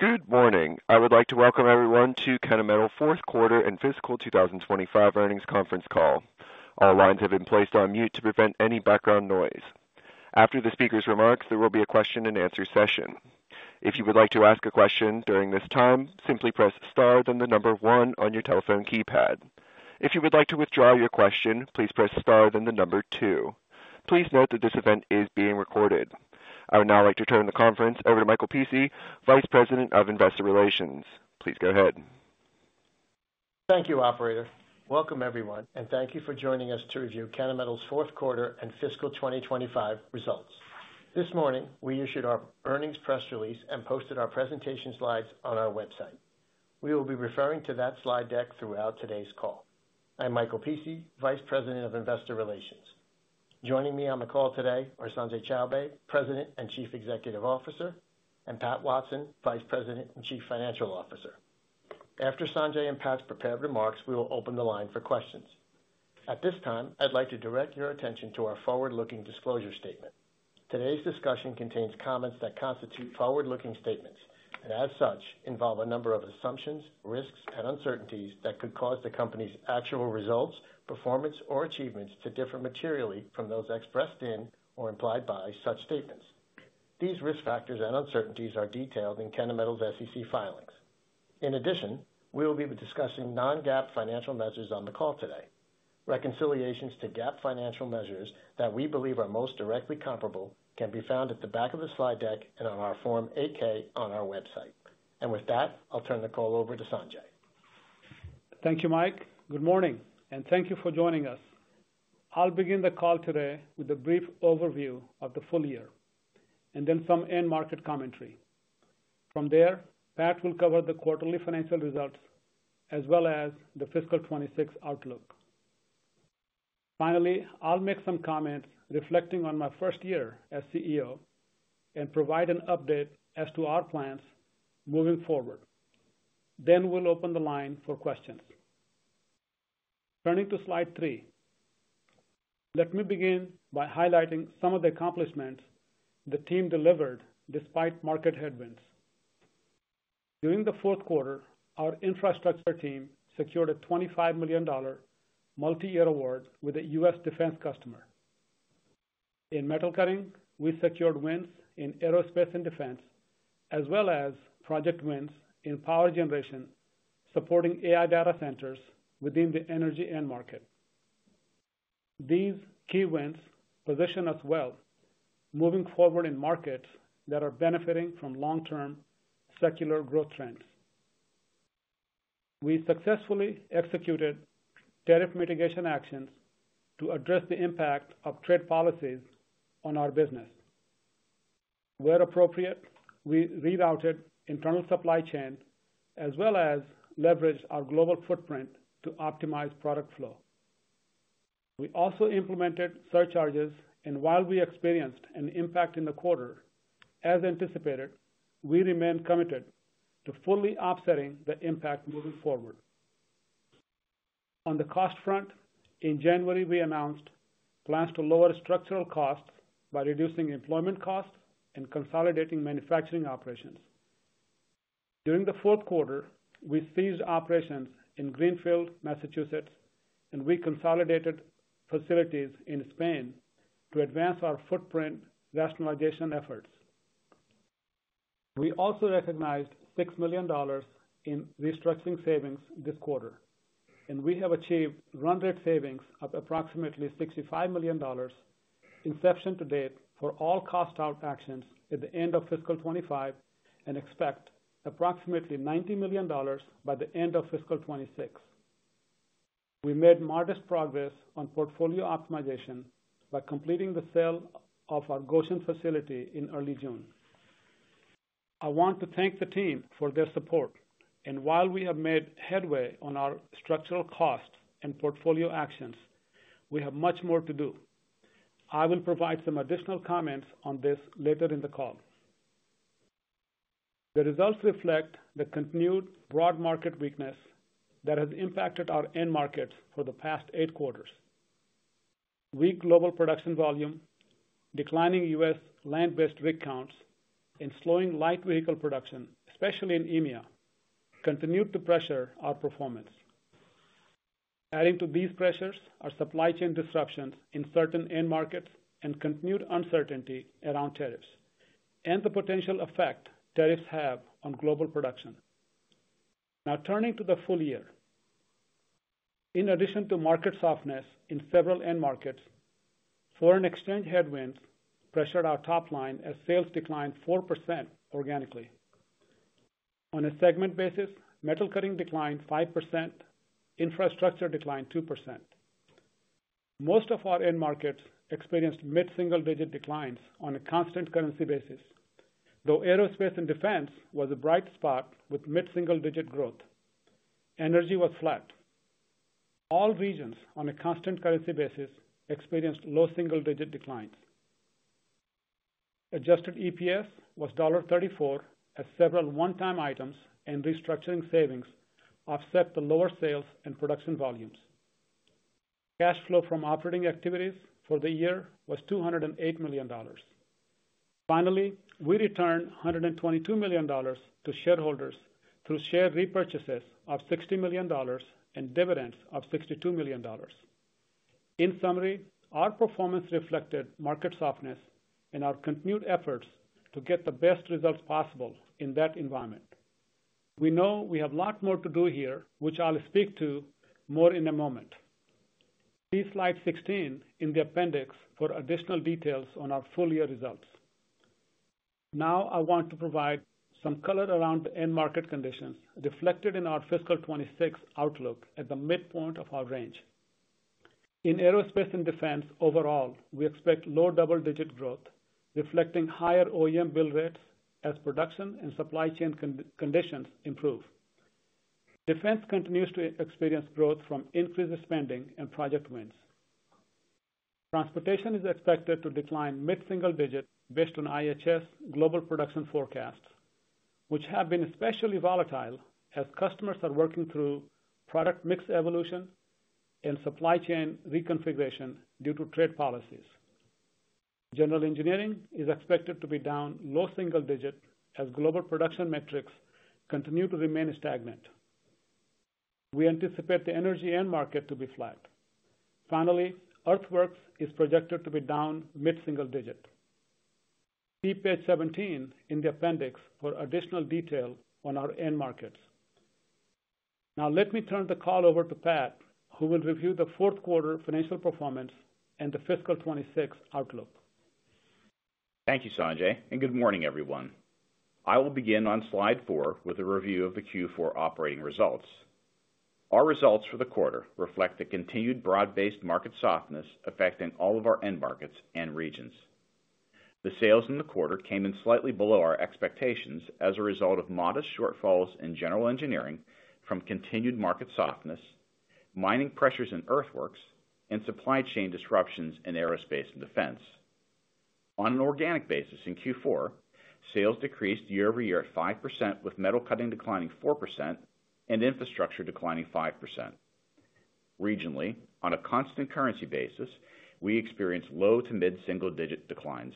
Good morning. I would like to welcome everyone to Kennametal's Fourth Quarter and Fiscal 2025 earnings conference call. All lines have been placed on mute to prevent any background noise. After the speaker's remarks, there will be a question and answer session. If you would like to ask a question during this time, simply press star, then the number one on your telephone keypad. If you would like to withdraw your question, please press star, then the number two. Please note that this event is being recorded. I would now like to turn the conference over to Michael Pici, Vice President of Investor Relations. Please go ahead. Thank you, operator. Welcome, everyone, and thank you for joining us to review Kennametal's Fourth Quarter and Fiscal 2025 results. This morning, we issued our earnings press release and posted our presentation slides on our website. We will be referring to that slide deck throughout today's call. I'm Michael Pici, Vice President of Investor Relations. Joining me on the call today are Sanjay Chowbey, President and Chief Executive Officer, and Pat Watson, Vice President and Chief Financial Officer. After Sanjay and Pat's prepared remarks, we will open the line for questions. At this time, I'd like to direct your attention to our forward-looking disclosure statement. Today's discussion contains comments that constitute forward-looking statements and, as such, involve a number of assumptions, risks, and uncertainties that could cause the company's actual results, performance, or achievements to differ materially from those expressed in or implied by such statements. These risk factors and uncertainties are detailed in Kennametal's SEC filings. In addition, we will be discussing non-GAAP financial measures on the call today. Reconciliations to GAAP financial measures that we believe are most directly comparable can be found at the back of the slide deck and on our Form 8K on our website. With that, I'll turn the call over to Sanjay. Thank you, Mike. Good morning, and thank you for joining us. I'll begin the call today with a brief overview of the full year and then some end-market commentary. From there, Pat will cover the quarterly financial results as well as the fiscal 2026 outlook. Finally, I'll make some comments reflecting on my first year as CEO and provide an update as to our plans moving forward. We will open the line for questions. Turning to slide three, let me begin by highlighting some of the accomplishments the team delivered despite market headwinds. During the fourth quarter, our infrastructure team secured a $25 million multi-year award with a U.S. defense customer. In metal cutting, we secured wins in aerospace and defense, as well as project wins in power generation, supporting AI data centers within the energy end market. These key wins position us well, moving forward in markets that are benefiting from long-term secular growth trends. We successfully executed tariff mitigation actions to address the impact of trade policies on our business. Where appropriate, we rerouted internal supply chain as well as leveraged our global footprint to optimize product flow. We also implemented surcharges, and while we experienced an impact in the quarter, as anticipated, we remain committed to fully offsetting the impact moving forward. On the cost front, in January, we announced plans to lower structural costs by reducing employment costs and consolidating manufacturing operations. During the fourth quarter, we ceased operations in Greenfield, Massachusetts, and we consolidated facilities in Spain to advance our Footprint Rationalization efforts. We also recognized $6 million in Restructuring Savings this quarter, and we have achieved run-rate savings of approximately $65 million inception to date for all cost-out actions at the end of fiscal 2025 and expect approximately $90 million by the end of fiscal 2026. We made modest progress on Portfolio Optimization by completing the sale of our Goshen facility in early June. I want to thank the team for their support, and while we have made headway on our structural cost and portfolio actions, we have much more to do. I will provide some additional comments on this later in the call. The results reflect the continued broad market weakness that has impacted our end markets for the past eight quarters. Weak global production volume, declining U.S. land-based rig counts, and slowing light vehicle production, especially in EMEA, continue to pressure our performance. Adding to these pressures are supply chain disruptions in certain end markets and continued uncertainty around tariffs and the potential effect tariffs have on global production. Now, turning to the full year, in addition to market softness in several end markets, foreign exchange headwinds pressured our top line as sales declined 4% organically. On a segment basis, metal cutting declined 5%, infrastructure declined 2%. Most of our end markets experienced Mid-Single-Digit Declines on a Constant Currency basis, though aerospace and defense was a bright spot with Mid-Single-Digit growth. Energy was flat. All regions on a Constant Currency basis experienced low single-digit declines. Adjusted EPS was $1.34 as several one-time items and Restructuring Savings offset the lower sales and production volumes. Cash flow from operating activities for the year was $208 million. Finally, we returned $122 million to shareholders Share Repurchases of $60 million and dividends of $62 million. In summary, our performance reflected market softness and our continued efforts to get the best results possible in that environment. We know we have a lot more to do here, which I'll speak to more in a moment. See slide 16 in the appendix for additional details on our full-year results. Now, I want to provide some color around the end market conditions reflected in our fiscal 2026 outlook at the midpoint of our range. In aerospace and defense overall, we expect low double-digit growth, OEM Bill Rates as production and supply chain conditions improve. Defense continues to experience growth from increased spending and project wins. Transportation is expected to decline mid-single digit based on IHS global production forecasts, which have been especially volatile as customers are working through product mix evolution and supply chain reconfiguration due to trade policies. General engineering is expected to be down low single digit as global production metrics continue to remain stagnant. We anticipate the energy end market to be flat. Finally, Earthworks is projected to be down mid-single digit. See page 17 in the appendix for additional detail on our end markets. Now, let me turn the call over to Pat, who will review the fourth quarter financial performance and the fiscal 2026 outlook. Thank you, Sanjay, and good morning, everyone. I will begin on slide four with a review of the Q4 operating results. Our results for the quarter reflect the continued broad-based market softness affecting all of our end markets and regions. The sales in the quarter came in slightly below our expectations as a result of modest shortfalls in general engineering from continued market softness, mining pressures in Earthworks, and supply chain disruptions in aerospace and defense. On an organic basis in Q4, sales decreased year-over-year at 5%, with metal cutting declining 4% and infrastructure declining 5%. Regionally, on a Constant Currency basis, we experienced low to Mid-Single-Digit Declines.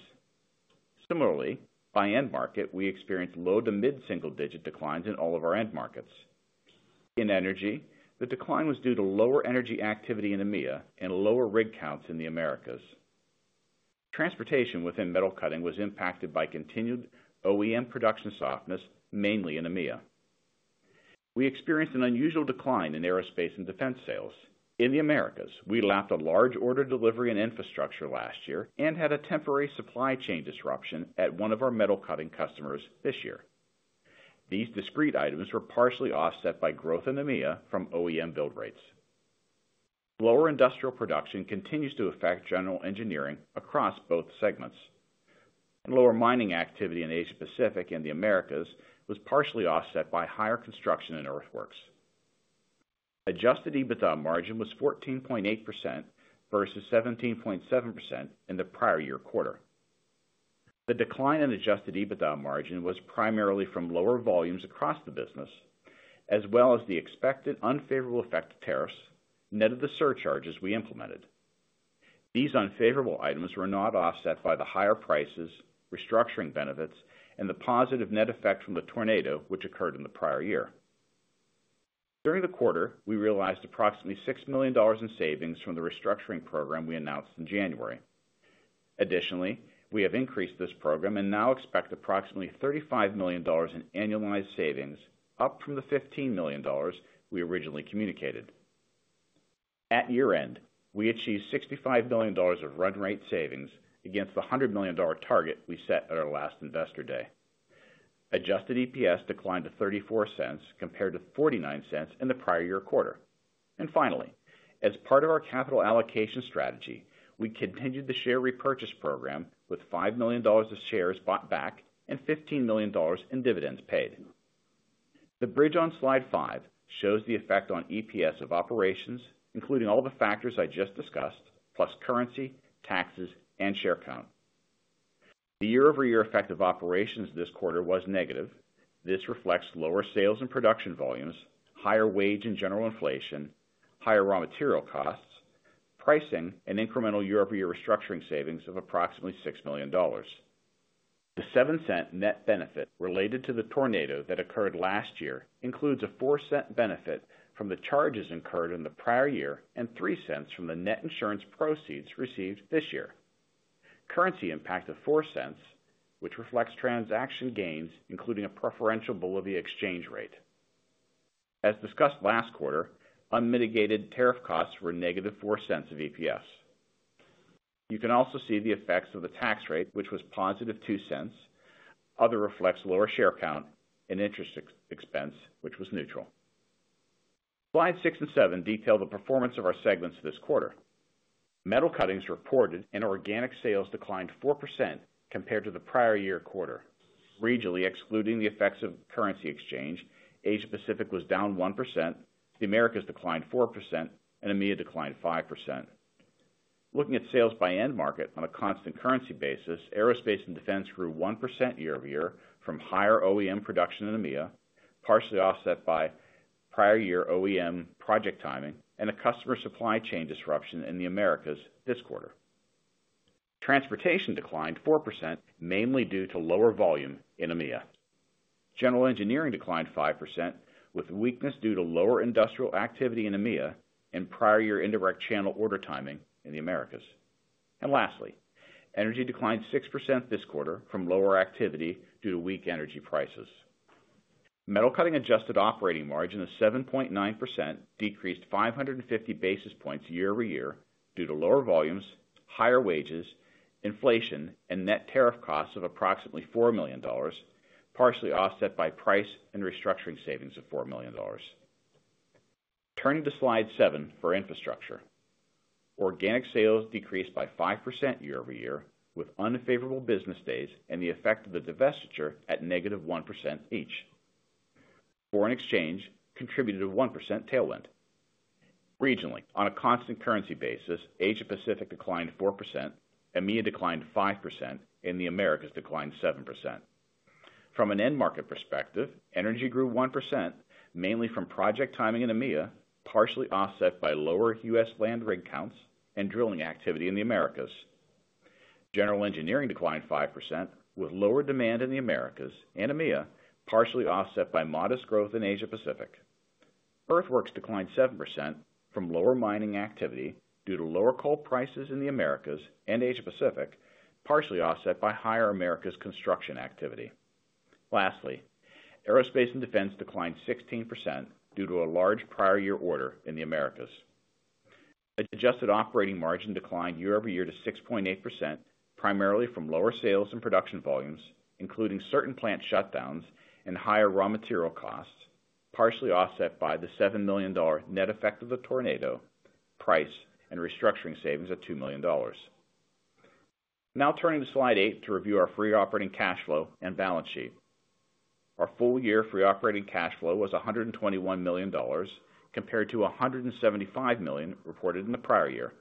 Similarly, by end market, we experienced low to Mid-Single-Digit Declines in all of our end markets. In energy, the decline was due to lower energy activity in EMEA and lower rig counts in the Americas. Transportation within metal cutting was impacted by continued OEM production softness, mainly in EMEA. We experienced an unusual decline in aerospace and defense sales. In the Americas, we lapped a large order delivery in infrastructure last year and had a temporary supply chain disruption at one of our metal cutting customers this year. These discrete items were partially offset by growth in EMEA from OEM build rates. Lower industrial production continues to affect general engineering across both segments. Lower mining activity in Asia-Pacific and the Americas was partially offset by higher construction in Earthworks. Adjusted EBITDA margin was 14.8% versus 17.7% in the prior year quarter. The decline in adjusted EBITDA margin was primarily from lower volumes across the business, as well as the expected unfavorable effect of tariffs net of the surcharges we implemented. These unfavorable items were not offset by the higher prices, restructuring benefits, and the positive net effects from the tornado which occurred in the prior year. During the quarter, we realized approximately $6 million in savings from the restructuring program we announced in January. Additionally, we have increased this program and now expect approximately $35 million in annualized savings, up from the $15 million we originally communicated. At year end, we achieved $65 million of run-rate savings against the $100 million target we set at our last Investor Day. Adjusted EPS declined to $0.34 compared to $0.49 in the prior year quarter. Finally, as part of our capital allocation strategy, we continued the Share Repurchase program with $5 million of shares bought back and $15 million in dividends paid. The bridge on slide five shows the effect on EPS of operations, including all the factors I just discussed, plus currency, taxes, and share count. The year-over-year effect of operations this quarter was negative. This reflects lower sales and production volumes, higher wage and general inflation, higher raw material costs, pricing, and incremental year-over-year Restructuring Savings of approximately $6 million. The $0.07 net benefit related to the tornado that occurred last year includes a $0.04 benefit from the charges incurred in the prior year and $0.03 from the net insurance proceeds received this year. Currency impact of $0.04, which reflects transaction gains, including a preferential Bolivia exchange rate. As discussed last quarter, unmitigated tariff costs were negative $0.04 of EPS. You can also see the effects of the tax rate, which was positive $0.02. Other reflects lower share count and interest expense, which was neutral. Slides six and seven detail the performance of our segments this quarter. Metal cutting reported an Organic Sales decline of 4% compared to the prior year quarter. Regionally, excluding the effects of currency exchange, Asia-Pacific was down 1%, the Americas declined 4%, and EMEA declined 5%. Looking at sales by end market on a Constant Currency basis, aerospace and defense grew 1% year over year from higher OEM production in EMEA, partially offset by prior year OEM project timing and a customer supply chain disruption in the Americas this quarter. Transportation declined 4%, mainly due to lower volume in EMEA. General engineering declined 5% with weakness due to lower industrial activity in EMEA and prior year indirect channel order timing in the Americas. Lastly, energy declined 6% this quarter from lower activity due to weak energy prices. Metal cutting adjusted operating margin of 7.9% decreased 550 basis points year-over-year due to lower volumes, higher wages, inflation, and net tariff costs of approximately $4 million, partially offset by price and Restructuring Savings of $4 million. Turning to slide seven for infrastructure, Organic Sales decreased by 5% year-over-year with unfavorable business days and the effect of the divestiture at negative 1% each. Foreign exchange contributed a 1% tailwind. Regionally, on a Constant Currency basis, Asia-Pacific declined 4%, EMEA declined 5%, and the Americas declined 7%. From an end market perspective, energy grew 1%, mainly from project timing in EMEA, partially offset by lower U.S. land rig counts and drilling activity in the Americas. General engineering declined 5% with lower demand in the Americas and EMEA, partially offset by modest growth in Asia-Pacific. Earthworks declined 7% from lower mining activity due to lower coal prices in the Americas and Asia-Pacific, partially offset by higher Americas construction activity. Lastly, aerospace and defense declined 16% due to a large prior year order in the Americas. Adjusted operating margin declined year over year to 6.8%, primarily from lower sales and production volumes, including certain plant shutdowns and higher raw material costs, partially offset by the $7 million net effect of the tornado price and Restructuring Savings of $2 million. Now turning to slide eight to review our Free Operating Cash Flow and balance sheet. Our full year Free Operating Cash Flow was $121 million compared to $175 million reported in the prior year.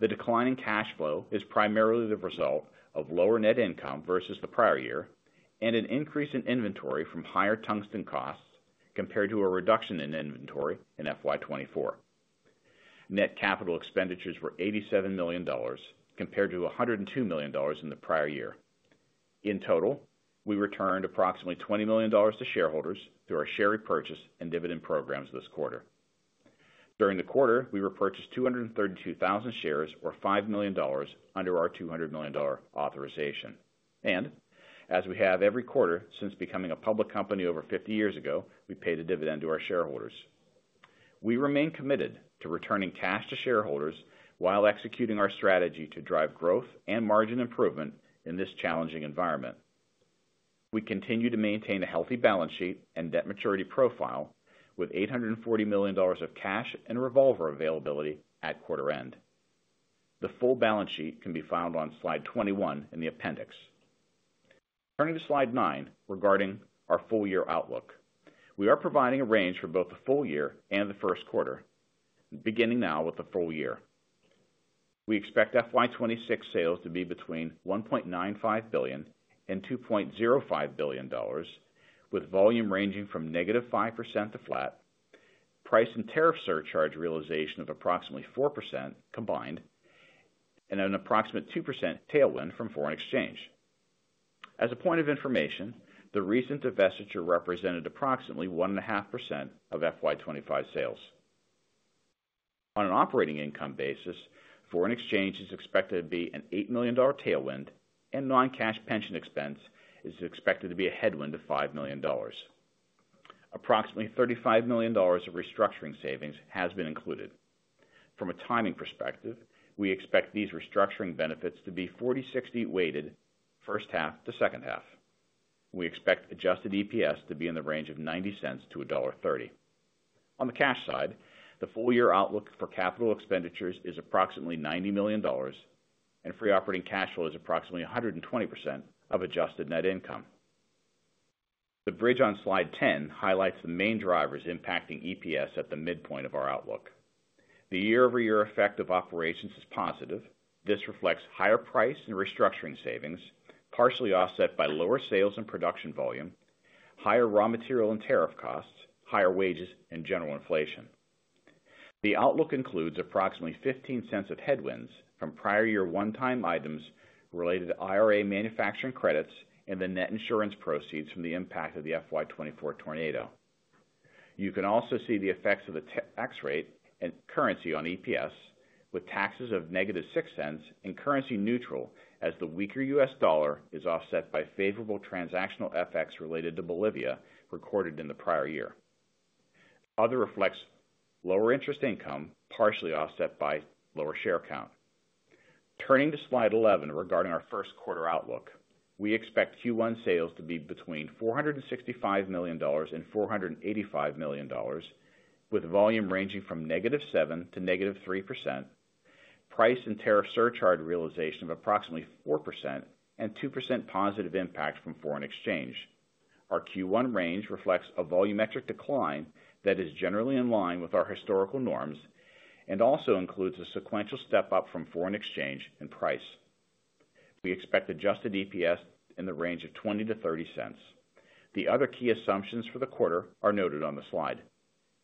The decline in cash flow is primarily the result of lower net income versus the prior year and an increase in inventory from higher Tungsten costs compared to a reduction in inventory in fiscal 2024. Net capital expenditures were $87 million compared to $102 million in the prior year. In total, we returned approximately $20 million to shareholders through our Share Repurchase and dividend programs this quarter. During the quarter, we repurchased 232,000 shares, or $5 million, under our $200 million authorization. As we have every quarter since becoming a public company over 50 years ago, we pay the dividend to our shareholders. We remain committed to returning cash to shareholders while executing our strategy to drive growth and margin improvement in this challenging environment. We continue to maintain a healthy balance sheet and debt maturity profile with $840 million of cash and revolver availability at quarter end. The full balance sheet can be found on slide 21 in the appendix. Turning to slide nine regarding our full year outlook, we are providing a range for both the full year and the first quarter, beginning now with the full year. We expect FY26 sales to be between $1.95 billion and $2.05 billion, with volume ranging from -5% to flat, price and Tariff Surcharge realization of approximately 4% combined, and an approximate 2% tailwind from foreign exchange. As a point of information, the recent divestiture represented approximately 1.5% of FY25 sales. On an operating income basis, foreign exchange is expected to be an $8 million tailwind, and non-cash pension expense is expected to be a headwind of $5 million. Approximately $35 million of Restructuring Savings has been included. From a timing perspective, we expect these restructuring benefits to be 40/60 weighted, first half to second half. We expect adjusted EPS to be in the range of $0.90-$1.30. On the cash side, the full year outlook for capital expenditures is approximately $90 million, and Free Operating Cash Flow is approximately 120% of adjusted net income. The bridge on slide 10 highlights the main drivers impacting EPS at the midpoint of our outlook. The year-over-year effect of operations is positive. This reflects higher price and Restructuring Savings, partially offset by lower sales and production volume, higher raw material and tariff costs, higher wages, and general inflation. The outlook includes approximately $0.15 of headwinds from prior year one-time items related to IRA manufacturing credits and the net insurance proceeds from the impact of the FY24 tornado. You can also see the effects of the tax rate and currency on EPS, with taxes of -$0.06 and currency neutral as the weaker U.S. dollar is offset by favorable transactional effects related to Bolivia recorded in the prior year. Other reflects lower interest income, partially offset by lower share count. Turning to slide 11 regarding our first quarter outlook, we expect Q1 sales to be between $465 million and $485 million, with volume ranging from -7% to -3%, price and Tariff Surcharge realization of approximately 4%, and 2% positive impact from foreign exchange. Our Q1 range reflects a volumetric decline that is generally in line with our historical norms and also includes a sequential step up from foreign exchange and price. We expect adjusted EPS in the range of $0.20-$0.30. The other key assumptions for the quarter are noted on the slide.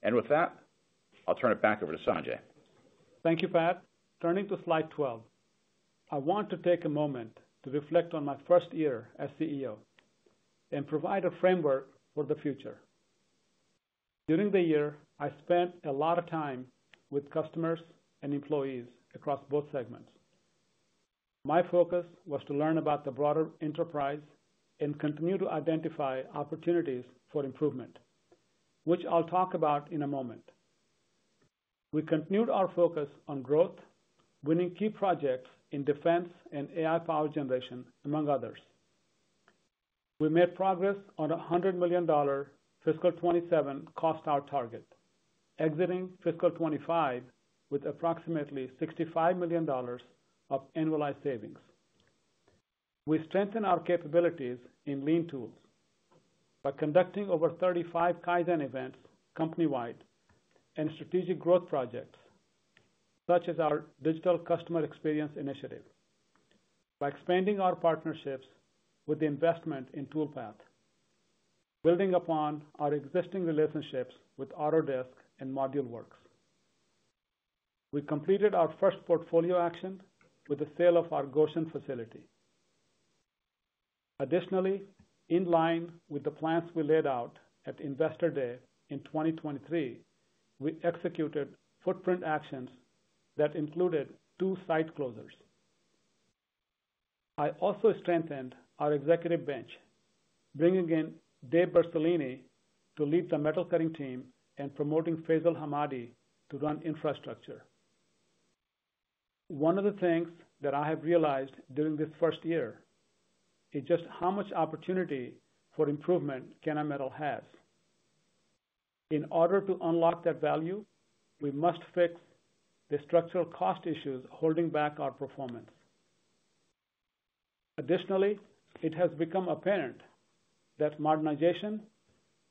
With that, I'll turn it back over to Sanjay. Thank you, Pat. Turning to slide 12, I want to take a moment to reflect on my first year as CEO and provide a framework for the future. During the year, I spent a lot of time with customers and employees across both segments. My focus was to learn about the broader enterprise and continue to identify opportunities for improvement, which I'll talk about in a moment. We continued our focus on growth, winning key projects in defense and AI power generation, among others. We made progress on a $100 million fiscal 2027 cost-out target, exiting fiscal 2025 with approximately $65 million of annualized savings. We strengthened our capabilities in lean tools by conducting over 35 kaizen events company-wide and strategic growth projects, such as our digital customer experience initiative, by expanding our partnerships with the investment in Toolpath, building upon our existing relationships with Autodesk and ModuleWorks. We completed our first portfolio action with the sale of our Goshen facility. Additionally, in line with the plans we laid out at Investor Day in 2023, we executed footprint actions that included two site closures. I also strengthened our executive bench, bringing in Dave Bersaglini to lead the metal cutting team and promoting Faisal Hamadi to run infrastructure. One of the things that I have realized during this first year is just how much opportunity for improvement Kennametal has. In order to unlock that value, we must fix the structural cost issues holding back our performance. Additionally, it has become apparent that modernization,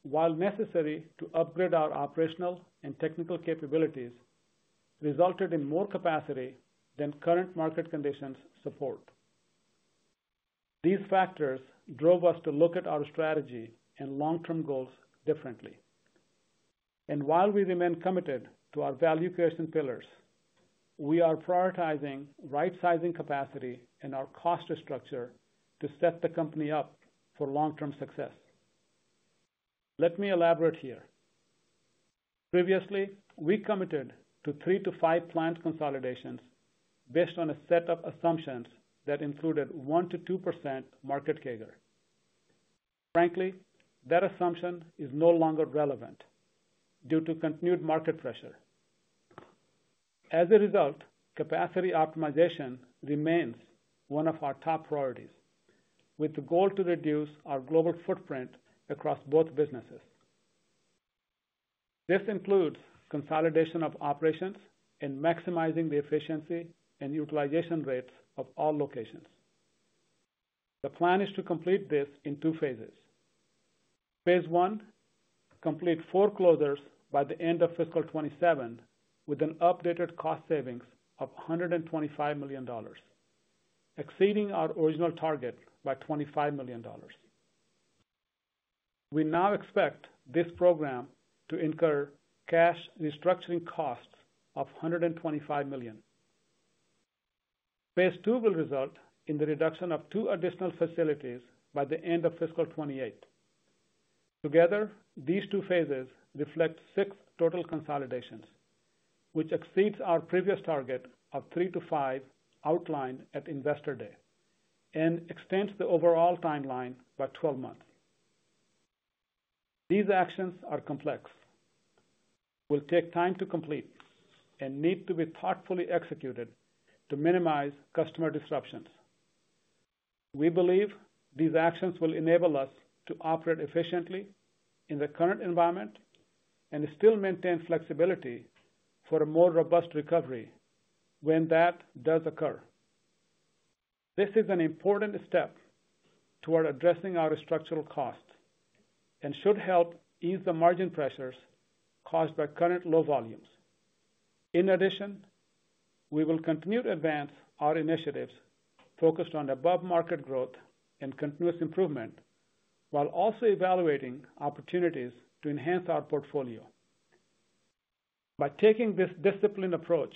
while necessary to upgrade our operational and technical capabilities, resulted in more capacity than current market conditions support. These factors drove us to look at our strategy and long-term goals differently. While we remain committed to our value creation pillars, we are prioritizing right-sizing capacity and our cost structure to set the company up for long-term success. Let me elaborate here. Previously, we committed to three to five planned consolidations based on a set of assumptions that included 1%-2% market CAGR. Frankly, that assumption is no longer relevant due to continued market pressure. As a result, capacity optimization remains one of our top priorities, with the goal to reduce our global footprint across both businesses. This includes consolidation of operations and maximizing the efficiency and utilization rates of all locations. The plan is to complete this in two phases. Phase one, complete four closures by the end of fiscal 2027, with an updated cost savings of $125 million, exceeding our original target by $25 million. We now expect this program to incur cash restructuring costs of $125 million. Phase two will result in the reduction of two additional facilities by the end of fiscal 2028. Together, these two phases reflect six total consolidations, which exceeds our previous target of three to five outlined at Investor Day and extends the overall timeline by 12 months. These actions are complex, will take time to complete, and need to be thoughtfully executed to minimize customer disruptions. We believe these actions will enable us to operate efficiently in the current environment and still maintain flexibility for a more robust recovery when that does occur. This is an important step toward addressing our structural costs and should help ease the margin pressures caused by current low volumes. In addition, we will continue to advance our initiatives focused on above-market growth and continuous improvement, while also evaluating opportunities to enhance our portfolio. By taking this disciplined approach,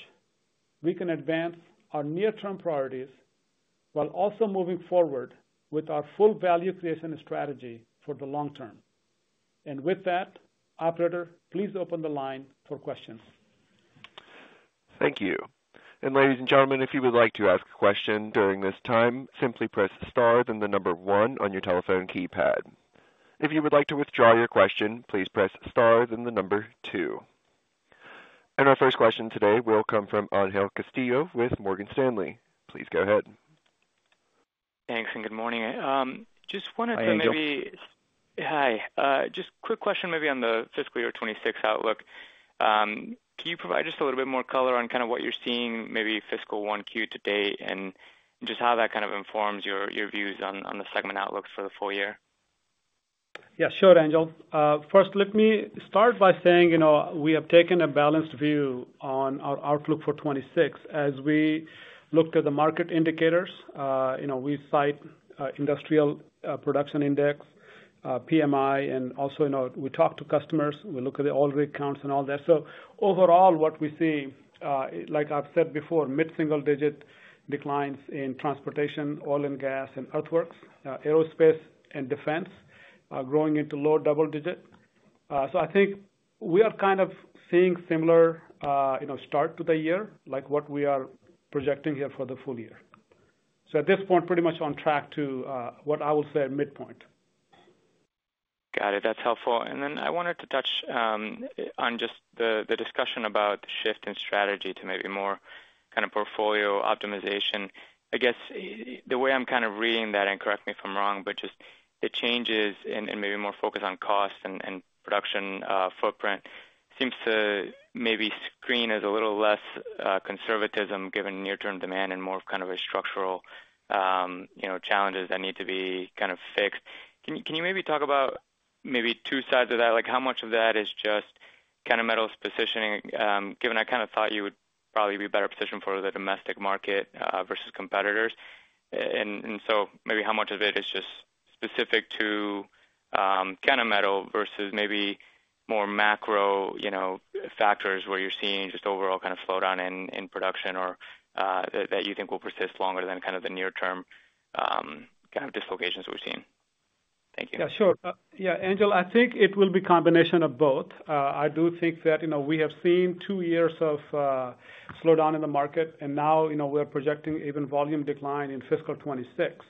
we can advance our near-term priorities while also moving forward with our full value creation strategy for the long term. Operator, please open the line for questions. Thank you. Ladies and gentlemen, if you would like to ask a question during this time, simply press star then the number one on your telephone keypad. If you would like to withdraw your question, please press star then the number two. Our first question today will come from Angel Castillo with Morgan Stanley. Please go ahead. Thanks and good morning. Just wanted to maybe Hi. Hi. Just a quick question maybe on the fiscal year 2026 outlook. Can you provide just a little bit more color on kind of what you're seeing maybe fiscal Q1 to date and just how that kind of informs your views on the segment outlooks for the full year? Yeah, sure, Angel. First, let me start by saying we have taken a balanced view on our outlook for 2026. As we looked at the market indicators, we cite industrial production index, PMI, and also we talk to customers. We look at the oil rig counts and all that. Overall, what we see, like I've said before, is Mid-Single-Digit Declines in transportation, oil and gas, and Earthworks. Aerospace and defense are growing into low double digit. I think we are kind of seeing a similar start to the year like what we are projecting here for the full year. At this point, pretty much on track to what I will say at midpoint. Got it. That's helpful. I wanted to touch on just the discussion about the shift in strategy to maybe more kind of Portfolio Optimization. I guess the way I'm kind of reading that, and correct me if I'm wrong, but just the changes and maybe more focus on cost and production footprint seems to maybe screen as a little less conservatism given near-term demand and more of kind of a structural challenges that need to be kind of fixed. Can you maybe talk about maybe two sides of that? Like how much of that is just Kennametal's positioning, given I kind of thought you would probably be better positioned for the domestic market versus competitors? Maybe how much of it is just specific to Kennametal versus maybe more macro factors where you're seeing just overall kind of slowdown in production or that you think will persist longer than kind of the near-term kind of dislocations we've seen? Thank you. Yeah, sure. Yeah, Angel, I think it will be a combination of both. I do think that we have seen two years of slowdown in the market, and now we're projecting even volume decline in fiscal 2026.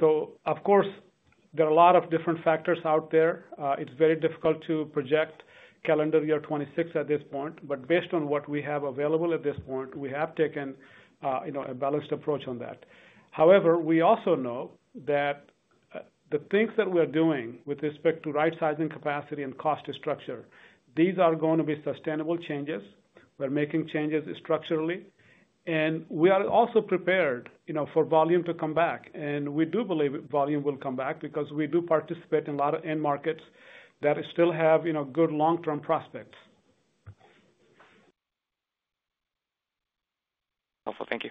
Of course, there are a lot of different factors out there. It's very difficult to project calendar year 2026 at this point, but based on what we have available at this point, we have taken a balanced approach on that. However, we also know that the things that we are doing with respect to right-sizing capacity and cost structure, these are going to be sustainable changes. We're making changes structurally, and we are also prepared for volume to come back. We do believe volume will come back because we do participate in a lot of end markets that still have good long-term prospects. Helpful. Thank you.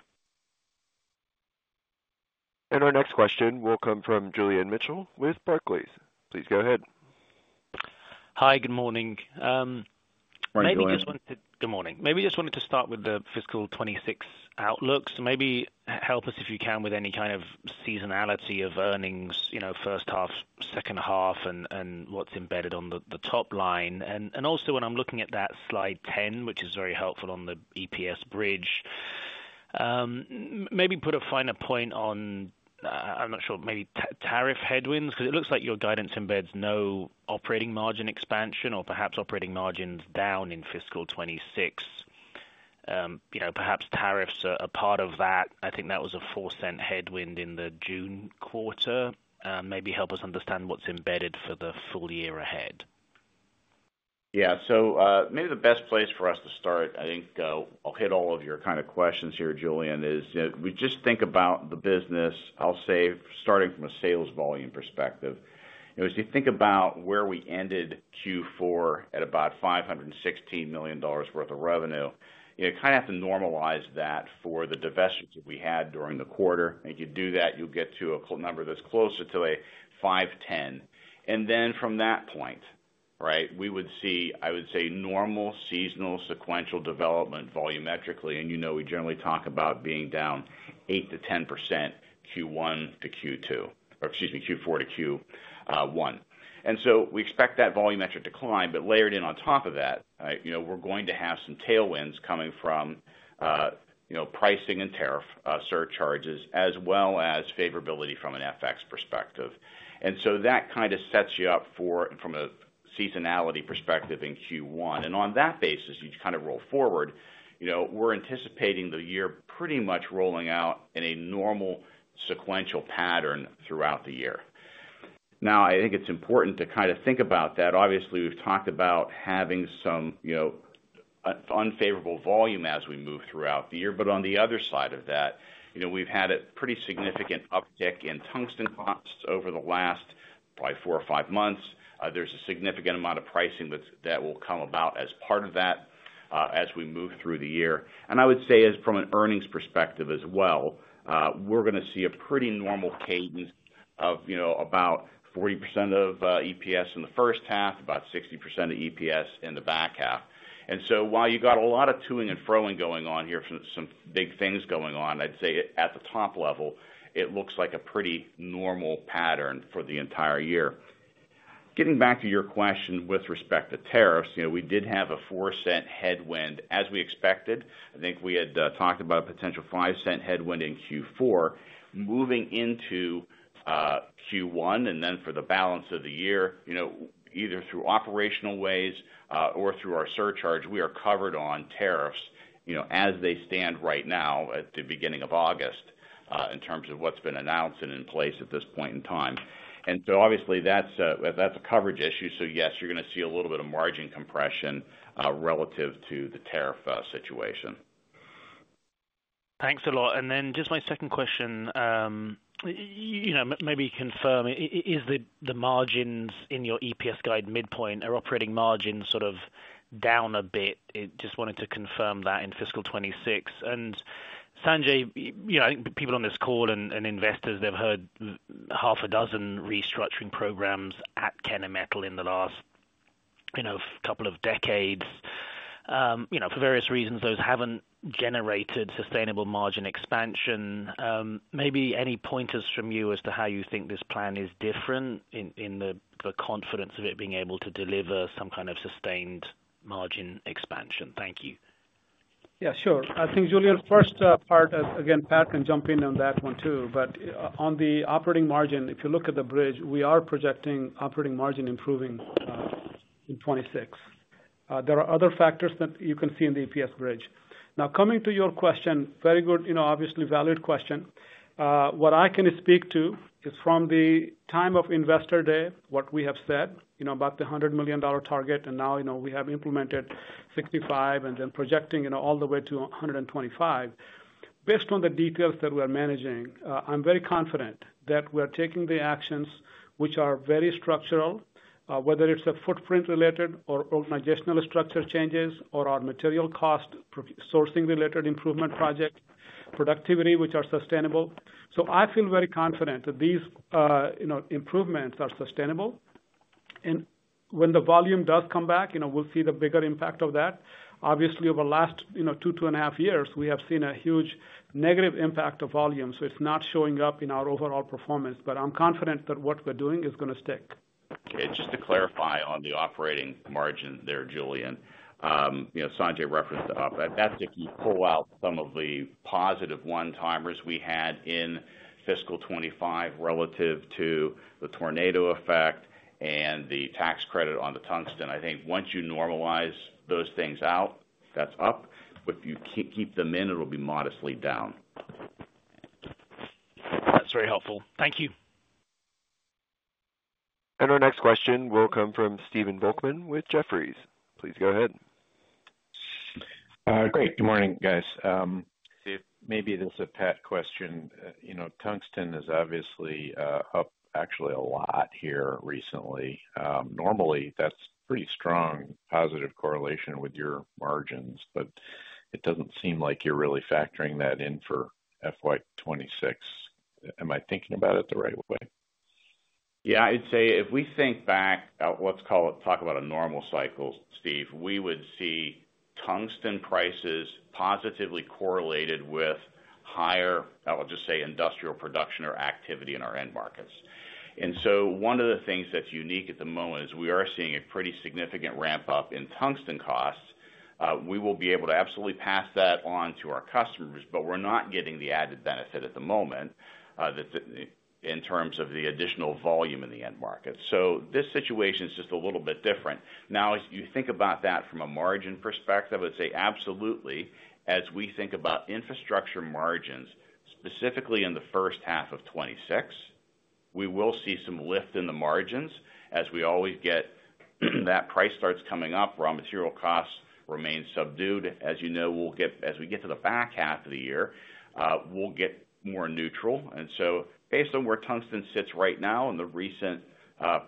Our next question will come from Julian Mitchell with Barclays. Please go ahead. Hi, good morning. Morning, Julian. Good morning. Maybe just wanted to start with the fiscal 2026 outlook. Maybe help us if you can with any kind of seasonality of earnings, you know, first half, second half, and what's embedded on the top line. Also, when I'm looking at that slide 10, which is very helpful on the EPS bridge, maybe put a finer point on, I'm not sure, maybe tariff headwinds, because it looks like your guidance embeds no operating margin expansion or perhaps operating margins down in fiscal 2026. Perhaps tariffs are a part of that. I think that was a $0.04 headwind in the June quarter. Maybe help us understand what's embedded for the full year ahead. Yeah, so maybe the best place for us to start, I think I'll hit all of your kind of questions here, Julian, is we just think about the business, I'll say, starting from a sales volume perspective. You know, as you think about where we ended Q4 at about $516 million worth of revenue, you kind of have to normalize that for the divestiture that we had during the quarter. If you do that, you'll get to a number that's closer to $510 million. From that point, right, we would see, I would say, normal seasonal sequential development volumetrically. You know, we generally talk about being down 8%-10% Q4 to Q1. We expect that volumetric decline, but layered in on top of that, you know, we're going to have some tailwinds coming from, you know, pricing Tariff Surcharges, as well as favorability from an FX perspective. That kind of sets you up for, from a seasonality perspective in Q1. On that basis, you kind of roll forward. You know, we're anticipating the year pretty much rolling out in a normal sequential pattern throughout the year. I think it's important to kind of think about that. Obviously, we've talked about having some, you know, unfavorable volume as we move throughout the year. On the other side of that, you know, we've had a pretty significant uptick in Tungsten costs over the last probably four or five months. There's a significant amount of pricing that will come about as part of that as we move through the year. I would say, as from an earnings perspective as well, we're going to see a pretty normal cadence of, you know, about 40% of EPS in the first half, about 60% of EPS in the back half. While you've got a lot of toing and froing going on here, some big things going on, I'd say at the top level, it looks like a pretty normal pattern for the entire year. Getting back to your question with respect to tariffs, you know, we did have a $0.04 headwind as we expected. I think we had talked about a potential $0.05 headwind in Q4. Moving into Q1 and then for the balance of the year, you know, either through operational ways or through our surcharge, we are covered on tariffs, you know, as they stand right now at the beginning of August in terms of what's been announced and in place at this point in time. Obviously, that's a coverage issue. Yes, you're going to see a little bit of margin compression relative to the tariff situation. Thanks a lot. Just my second question, maybe confirm, is the margins in your EPS guide midpoint, are operating margins sort of down a bit? I just wanted to confirm that in fiscal 2026. Sanjay, I think people on this call and investors, they've heard half a dozen restructuring programs at Kennametal Inc. in the last couple of decades. For various reasons, those haven't generated sustainable margin expansion. Maybe any pointers from you as to how you think this plan is different in the confidence of it being able to deliver some kind of sustained margin expansion. Thank you. Yeah, sure. I think Julian's first part, again, Pat can jump in on that one too. On the operating margin, if you look at the bridge, we are projecting operating margin improving in 2026. There are other factors that you can see in the EPS bridge. Now, coming to your question, very good, obviously valid question. What I can speak to is from the time of Investor Day, what we have said about the $100 million target, and now we have implemented $65 million and then projecting all the way to $125 million. Based on the details that we are managing, I'm very confident that we're taking the actions which are very structural, whether it's a footprint-related or organizational structure changes or our material cost sourcing-related improvement project, productivity, which are sustainable. I feel very confident that these improvements are sustainable. When the volume does come back, we'll see the bigger impact of that. Obviously, over the last two to two and a half years, we have seen a huge negative impact of volume. It's not showing up in our overall performance, but I'm confident that what we're doing is going to stick. Okay, just to clarify on the operating margin there, Julian, you know, Sanjay referenced the op. If you pull out some of the positive one-timers we had in fiscal 2025 relative to the tornado effect and the tax credit on the Tungsten, I think once you normalize those things out, that's up. If you keep them in, it'll be modestly down. That's very helpful. Thank you. Our next question will come from Stephen Volkmann with Jefferies. Please go ahead. Great. Good morning, guys. I see if maybe this is a Pat question. You know, Tungsten is obviously up actually a lot here recently. Normally, that's pretty strong positive correlation with your margins, but it doesn't seem like you're really factoring that in for fiscal 2026. Am I thinking about it the right way? Yeah, I'd say if we think back, let's call it talk about a normal cycle, Steve, we would see Tungsten prices positively correlated with higher, I'll just say, industrial production or activity in our end markets. One of the things that's unique at the moment is we are seeing a pretty significant ramp up in Tungsten costs. We will be able to absolutely pass that on to our customers, but we're not getting the added benefit at the moment in terms of the additional volume in the end market. This situation is just a little bit different. Now, as you think about that from a margin perspective, I would say absolutely, as we think about infrastructure margins, specifically in the first half of 2026, we will see some lift in the margins. As we always get, that price starts coming up, raw material costs remain subdued. As you know, as we get to the back half of the year, we'll get more neutral. Based on where Tungsten sits right now and the recent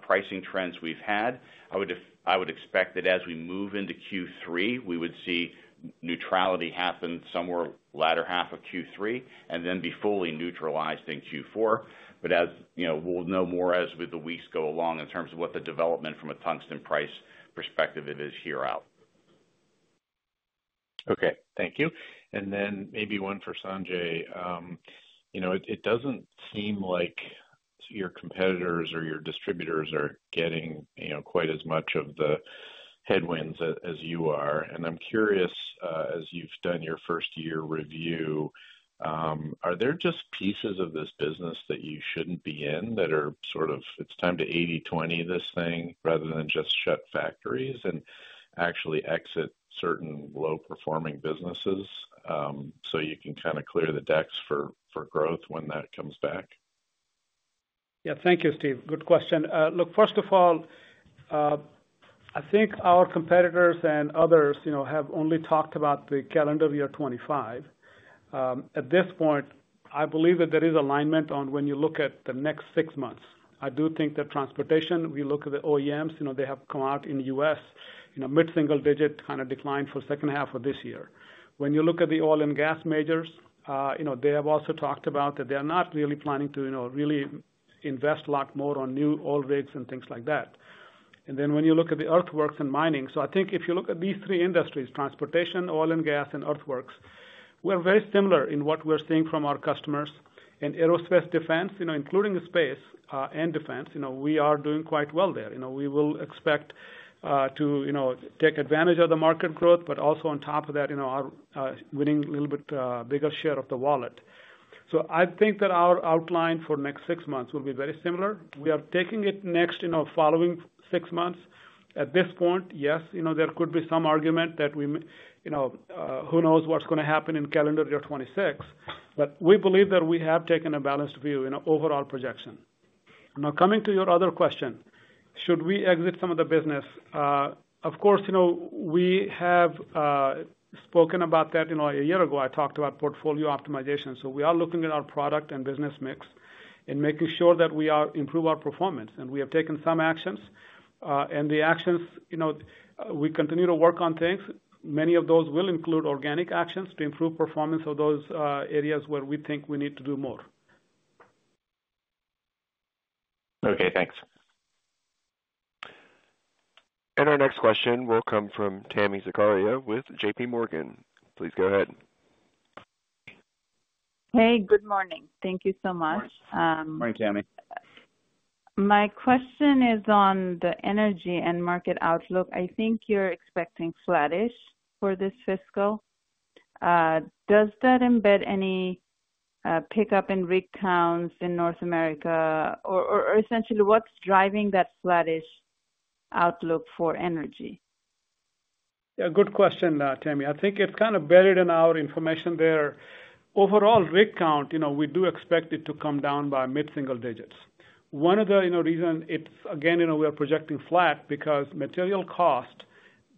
pricing trends we've had, I would expect that as we move into Q3, we would see neutrality happen somewhere latter half of Q3 and then be fully neutralized in Q4. We'll know more as the weeks go along in terms of what the development from a Tungsten price perspective is year out. Okay, thank you. Maybe one for Sanjay. It doesn't seem like your competitors or your distributors are getting quite as much of the headwinds as you are. I'm curious, as you've done your first year review, are there just pieces of this business that you shouldn't be in that are sort of, it's time to 80/20 this thing rather than just shut factories and actually exit certain low-performing businesses so you can kind of clear the decks for growth when that comes back? Yeah, thank you, Steve. Good question. First of all, I think our competitors and others have only talked about the calendar year 2025. At this point, I believe that there is alignment when you look at the next six months. I do think that transportation, we look at the OEMs, you know, they have come out in the U.S. in a Mid-Single-Digit kind of decline for the second half of this year. When you look at the oil and gas majors, you know, they have also talked about that they're not really planning to really invest a lot more on new oil rigs and things like that. When you look at the Earthworks and mining, I think if you look at these three industries, transportation, oil and gas, and Earthworks, we're very similar in what we're seeing from our customers. Aerospace defense, including space and defense, we are doing quite well there. We will expect to take advantage of the market growth, but also on top of that, our winning a little bit bigger share of the wallet. I think that our outline for the next six months will be very similar. We are taking it next following six months. At this point, yes, there could be some argument that we, you know, who knows what's going to happen in calendar year 2026, but we believe that we have taken a balanced view in an overall projection. Now, coming to your other question, should we exit some of the business? Of course, we have spoken about that. A year ago, I talked about Portfolio Optimization. We are looking at our product and business mix and making sure that we improve our performance. We have taken some actions. The actions, we continue to work on things. Many of those will include organic actions to improve performance of those areas where we think we need to do more. Okay, thanks. Our next question will come from Tami Zakaria with JPMorgan. Please go ahead. Hey, good morning. Thank you so much. Morning,. My question is on the energy and market outlook. I think you're expecting flattish for this fiscal. Does that embed any pickup in rig counts in North America? Essentially, what's driving that flattish outlook for energy? Yeah, good question, Tami. I think it's kind of embedded in our information there. Overall, rig count, you know, we do expect it to come down by mid-single digits. One of the reasons is, again, you know, we are projecting flat because material cost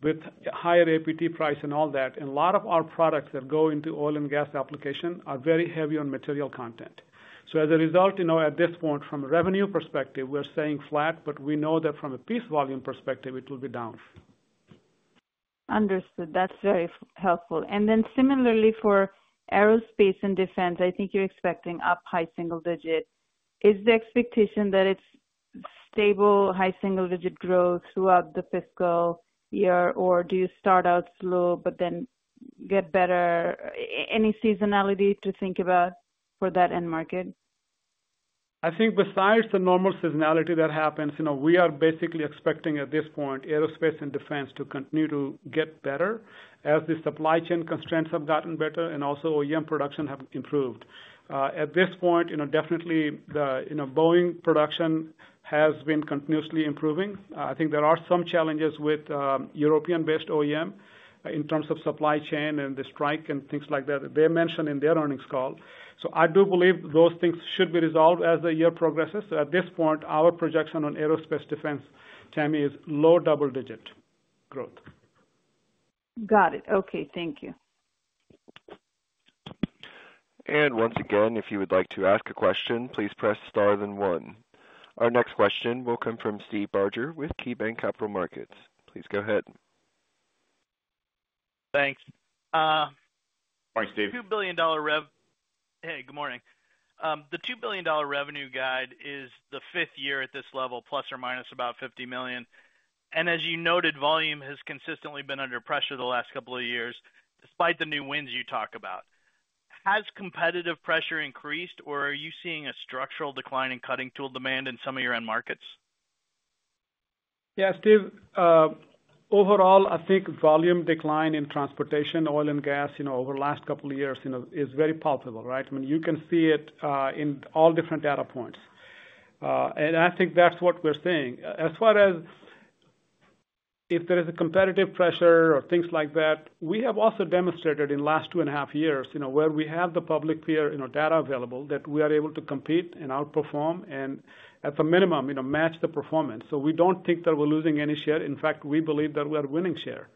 with higher APT Price and all that, and a lot of our products that go into oil and gas application are very heavy on material content. As a result, you know, at this point, from a revenue perspective, we're saying flat, but we know that from a piece volume perspective, it will be down. Understood. That's very helpful. Then similarly for aerospace and defense, I think you're expecting up high single digit. Is the expectation that it's stable high single digit growth throughout the fiscal year, or do you start out slow but then get better? Any seasonality to think about for that end market? I think besides the normal seasonality that happens, we are basically expecting at this point aerospace and defense to continue to get better as the supply chain constraints have gotten better and also OEM production has improved. At this point, definitely the Boeing production has been continuously improving. I think there are some challenges with European-based OEM in terms of supply chain and the strike and things like that. They mentioned in their earnings call. I do believe those things should be resolved as the year progresses. At this point, our projection on aerospace defense, Tami, is Low Double-Digit Growth. Got it. Okay, thank you. If you would like to ask a question, please press star then one. Our next question will come from Steve Barger with KeyBanc Capital Markets. Please go ahead. Thanks. Morning, Steve. A few billion dollar revenue. Hey, good morning. The $2 billion revenue guide is the fifth year at this level, plus or minus about $50 million. As you noted, volume has consistently been under pressure the last couple of years, despite the new wins you talk about. Has competitive pressure increased, or are you seeing a structural decline in cutting tool demand in some of your end markets? Yeah, Steve, overall, I think volume decline in transportation, oil and gas over the last couple of years is very palpable, right? I mean, you can see it in all different data points. I think that's what we're seeing. As far as if there is a competitive pressure or things like that, we have also demonstrated in the last two and a half years where we have the public data available that we are able to compete and outperform and, at a minimum, match the performance. We don't think that we're losing any share. In fact, we believe that we are winning share.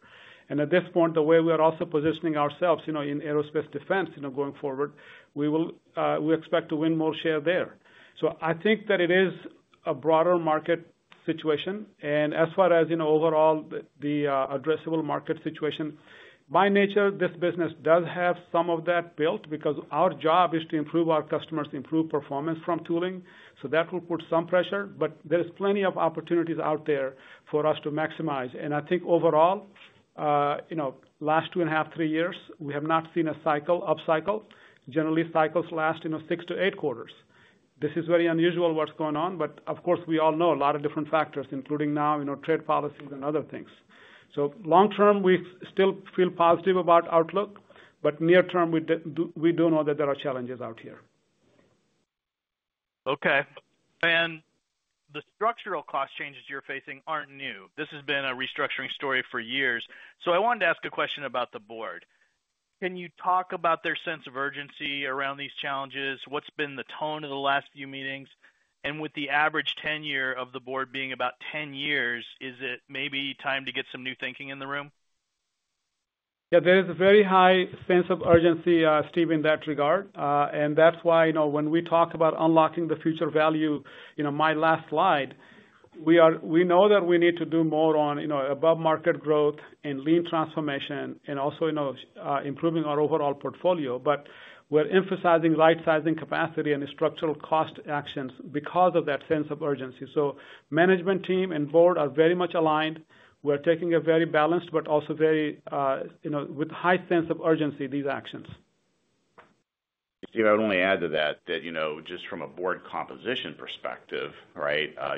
At this point, the way we are also positioning ourselves in aerospace defense going forward, we expect to win more share there. I think that it is a broader market situation. As far as overall the addressable market situation, by nature, this business does have some of that built because our job is to improve our customers, improve performance from tooling. That will put some pressure, but there are plenty of opportunities out there for us to maximize. I think overall, the last two and a half, three years, we have not seen a cycle, upcycle. Generally, cycles last six to eight quarters. This is very unusual what's going on. Of course, we all know a lot of different factors, including now trade policies and other things. Long term, we still feel positive about outlook, but near term, we do know that there are challenges out here. Okay. The structural cost changes you're facing aren't new. This has been a restructuring story for years. I wanted to ask a question about the board. Can you talk about their sense of urgency around these challenges? What's been the tone of the last few meetings? With the average tenure of the board being about 10 years, is it maybe time to get some new thinking in the room? Yeah, there is a very high sense of urgency, Steve, in that regard. That's why, you know, when we talk about unlocking the future value, you know, my last slide, we know that we need to do more on, you know, above-market growth and lean transformation and also, you know, improving our overall portfolio. We're emphasizing right-sizing capacity and structural cost actions because of that sense of urgency. The management team and board are very much aligned. We're taking a very balanced but also very, you know, with a high sense of urgency, these actions. Steve, I would only add to that that, just from a board composition perspective,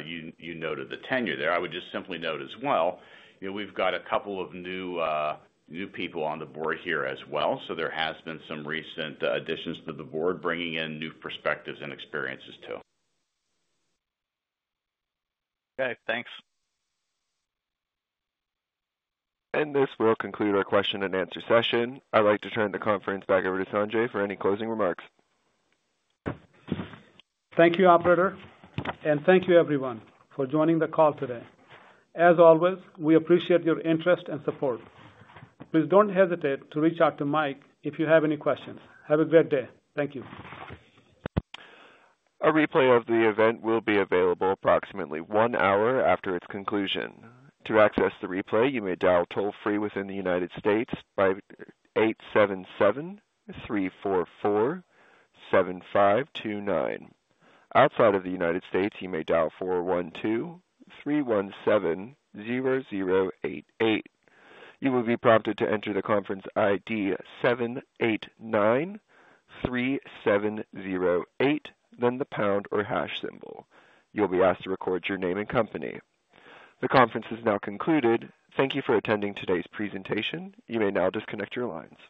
you noted the tenure there. I would just simply note as well, we've got a couple of new people on the board here as well. There have been some recent additions to the board, bringing in new perspectives and experiences too. Okay, thanks. This will conclude our question and answer session. I'd like to turn the conference back over to Sanjay for any closing remarks. Thank you, operator. Thank you, everyone, for joining the call today. As always, we appreciate your interest and support. Please don't hesitate to reach out to Mike if you have any questions. Have a great day. Thank you. A replay of the event will be available approximately one hour after its conclusion. To access the replay, you may dial toll-free within the U.S. by eight seven seven three four four seven five two nine. Outside of the U.S., you may dial four one two three one seven zero zero eight. You will be prompted to enter the conference ID seven eight nine three seven zero eight, then the pound or hash symbol. You'll be asked to record your name and company. The conference is now concluded. Thank you for attending today's presentation. You may now disconnect your lines.